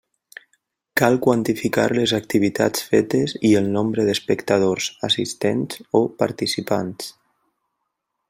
Cal quantificar les activitats fetes i el nombre d'espectadors, assistents o participants.